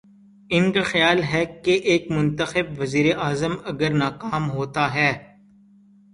ان کا خیال ہے کہ ایک منتخب وزیراعظم اگر ناکام ہو تا ہے۔